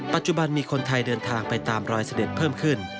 ปัจจุบันมีคนไทยเดินทางไปตามรอยเสด็จเพิ่มขึ้น